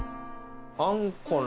あんこの。